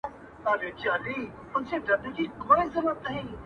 ژوند مي جهاني یوه شېبه پر باڼو ولیکه-